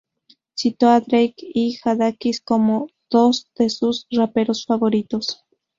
Citó a Drake y Jadakiss, como dos de sus raperos favoritos.